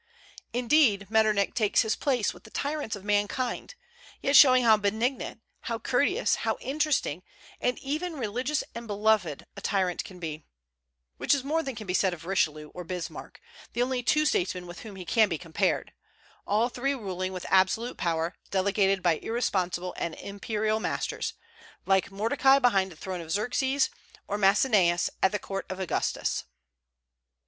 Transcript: Indeed, Metternich takes his place with the tyrants of mankind, yet showing how benignant, how courteous, how interesting, and even religious and beloved, a tyrant can be; which is more than can be said of Richelieu or Bismarck, the only two statesmen with whom he can be compared, all three ruling with absolute power delegated by irresponsible and imperial masters, like Mordecai behind the throne of Xerxes, or Maecenas at the court of Augustus.